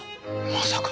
まさか。